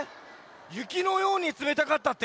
ゆきのようにつめたかったって？